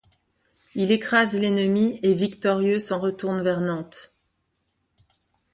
Il écrase l'ennemi et victorieux s'en retourne vers Nantes.